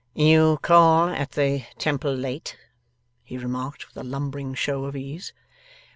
'You call at the Temple late,' he remarked, with a lumbering show of ease.